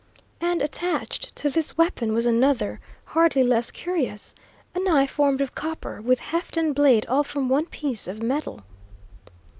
And attached to this weapon was another, hardly less curious: a knife formed of copper, with heft and blade all from one piece of metal.